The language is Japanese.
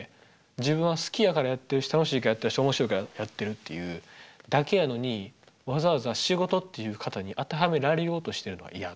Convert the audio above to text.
自分は好きやからやってるし楽しいからやってるし面白いからやってるっていうだけやのにわざわざ仕事っていう型に当てはめられようとしてるのが嫌。